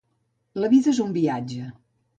La vida és un viatge.